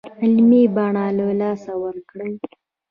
علمي بڼه له لاسه ورکړې.